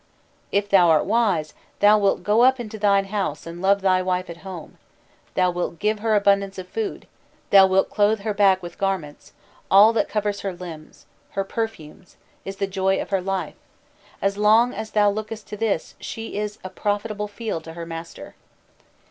"If thou art wise, thou wilt go up into thine house, and love thy wife at home; thou wilt give her abundance of food, thou wilt clothe her back with garments; all that covers her limbs, her perfumes, is the joy of her life; as long as thou lookest to this, she is as a profitable field to her master."